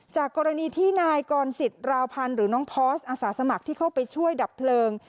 จากกรณีที่นายกรสิทธิราวพันธ์หรือน้องพอร์สอาสาสมัครที่เข้าไปช่วยดับเพลิง